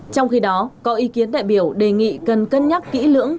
trong khi đó có ý kiến đại biểu đề nghị cần cân nhắc kỹ lưỡng